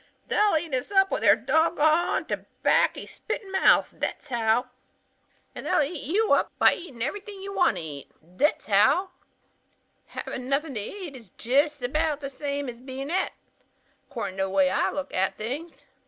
"'They'll eat us up with their doggoned terbaccy spittin' mouths; thet's how. And they'll eat you up by eatin' everything you want to eat; thet's how, too. Havin' nothin' to eat is jest about the same as bein' et, accordin' to the way I looks at things.'